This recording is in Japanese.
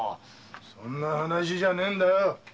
そんな話じゃねえんだよ。